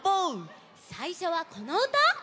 さいしょはこのうた！